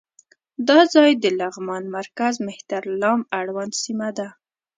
دا ځای د لغمان مرکز مهترلام اړوند سیمه ده.